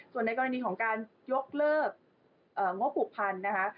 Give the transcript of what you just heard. ส่วนในกรณีของการยกเลิกงบผูกพันนะคะ